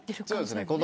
そうですね。